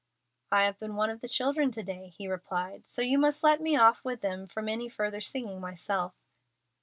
"I have been one of the children to day," he replied, "so you must let me off with them from any further singing myself."